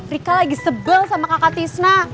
rika lagi sebel sama kakak tisna